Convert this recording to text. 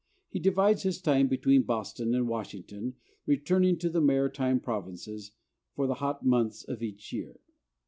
He divides his time between Boston and Washington, returning to the Maritime Provinces for the hot months of each year.